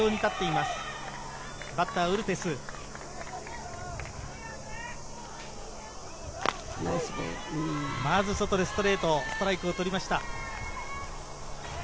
まずは外でストレート、ストライクを取りました。